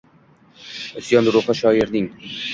Isyon ruhi shoirning.